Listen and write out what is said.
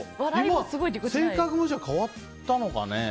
性格も変わったのかね。